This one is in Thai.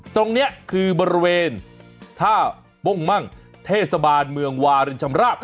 ตรงนี้คือบริเวณท่าป้งมั่งเทศบาลเมืองวารินชำราบ